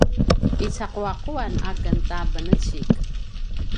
icaquaquan a ken ta vencik